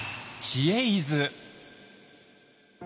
「知恵泉」。